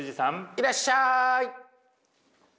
いらっしゃい！